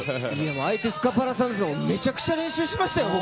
相手、スカパラさんですから、めちゃくちゃ練習しましたよ。